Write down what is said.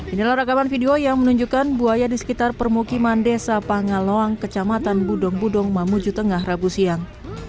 inilah rekaman video yang menunjukkan buaya di sekitar permukiman desa pangaloang kecamatan budong budong mamuju tengah rabu siang